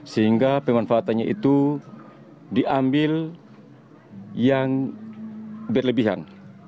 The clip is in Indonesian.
sehingga pemanfaatannya itu diambil yang berlebihan